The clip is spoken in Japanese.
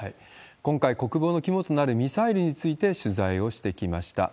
今回、国防の肝となるミサイルについて取材をしてきました。